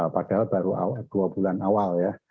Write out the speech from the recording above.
padahal baru dua bulan awal ya